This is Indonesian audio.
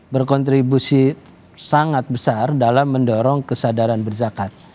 berkontribusi sangat besar dalam mendorong kesadaran berzakat